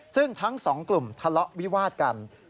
ซึ่งทั้งสองกลุ่มทะเลาะวิวาดกัน